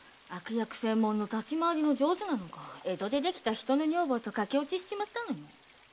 悪役専門の立ち回りの上手なのが江戸でできた人の女房と駆け落ちしちまったのよ。